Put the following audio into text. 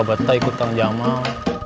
saya gak betah ikut kang jamal